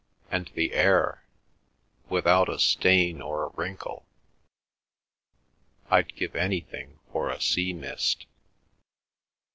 And the air, without a stain or a wrinkle. I'd give anything for a sea mist."